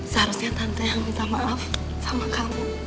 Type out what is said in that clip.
seharusnya tante yang minta maaf sama kamu